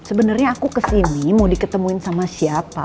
sebenarnya aku kesini mau diketemuin sama siapa